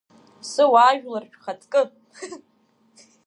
Сыуаажәлар, шәхаҵкы!